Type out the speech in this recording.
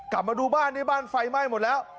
กลับมาดูบ้านนี่บ้านไฟไหม้หมดแล้ว